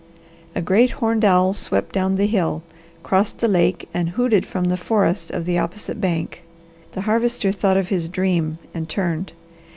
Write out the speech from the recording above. A great horned owl swept down the hill, crossed the lake, and hooted from the forest of the opposite bank. The Harvester thought of his dream and turned.